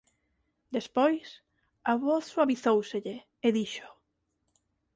Despois, a voz suavizóuselle, e dixo: